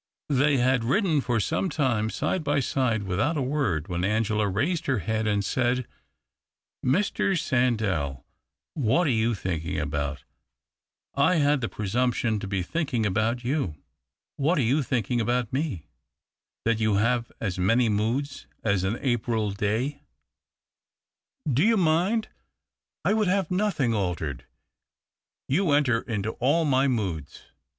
They had ridden for some time, side by side, without a word, when Angela raised her head and said —" Mr. Sandell, what are you thinking about ?"" I had the presumption to be thinking about you." " What are you thinking about me ?"" That you have as many moods as an April day." THE OCTAVE OF CLAUDIUS. 229 " Do you mind ?"" I would have nothing altered." " You enter into all my moods.